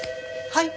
はい？